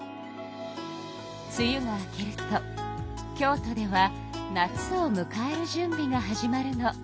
つゆが明けると京都では夏をむかえるじゅんびが始まるの。